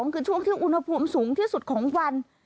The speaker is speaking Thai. คือช่วงที่อุณหภูมิสูงที่สุดของวัน